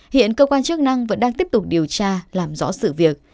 hiện cơ quan chức năng vẫn đang tiếp tục điều tra làm rõ sự việc